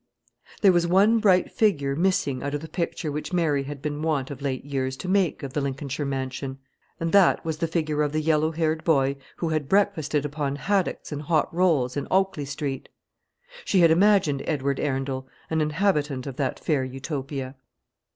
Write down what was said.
There was one bright figure missing out of the picture which Mary had been wont of late years to make of the Lincolnshire mansion, and that was the figure of the yellow haired boy who had breakfasted upon haddocks and hot rolls in Oakley Street. She had imagined Edward Arundel an inhabitant of that fair Utopia.